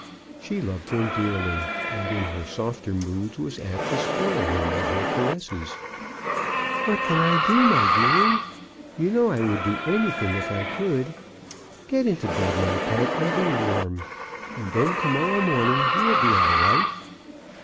She loved him dearly, and in her softer moods was apt to spoil him with her caresses. " What can I do, my dearie ? You know I would do anything if I could. Get into MRS. brown's success. 9 bed, my pet, and be warm, and then to morrow morning you will be all right."